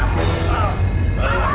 aku tak ingin lari